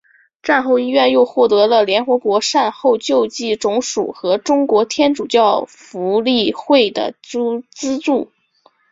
战后医院又获得了联合国善后救济总署和中国天主教福利会的资助。